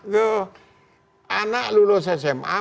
karena anak lulus sma masuk